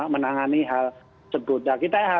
menangani hal sebut